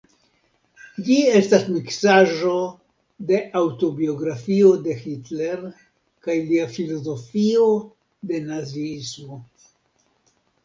Ĝi estas miksaĵo de aŭtobiografio de Hitler kaj lia filozofio de naziismo.